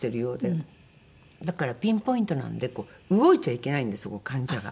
だからピンポイントなんで動いちゃいけないんです患者が。